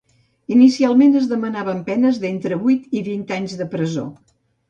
Inicialment es demanaven penes d’entre vuit i vint anys de presó.